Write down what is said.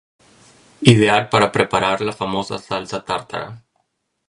Ideal para preparar la famosa salsa tártara.